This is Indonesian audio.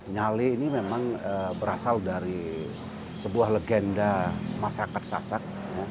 nyale ini memang berasal dari sebuah legenda masyarakat sasak